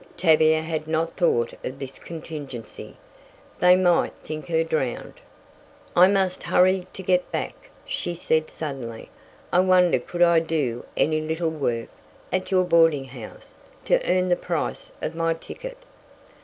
Tavia had not thought of this contingency; they might think her drowned! "I must hurry to get back," she said suddenly. "I wonder could I do any little work, at your boarding house, to earn the price of my ticket?"